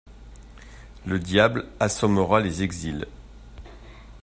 Le Diable assommera les exils.